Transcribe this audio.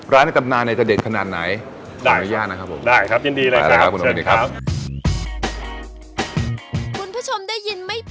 ร้านให้ตำนานแต่จะเด็ดขนาดไหน